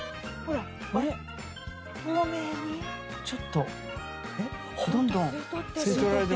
ちょっと。